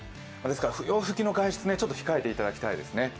不要不急の外出はちょっと控えていただきたいですね。